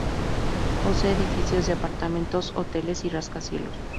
Posee edificios de apartamentos, hoteles y rascacielos.